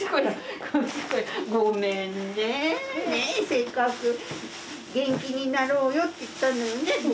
ごめんねせっかく元気になろうよって言ったのにね。